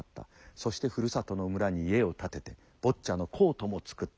そしてふるさとの村に家を建ててボッチャのコートも作った。